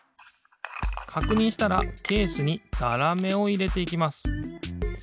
かくにんしたらケースにざらめをいれていきます。